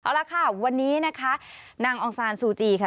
เอาละค่ะวันนี้นะคะนางองซานซูจีค่ะ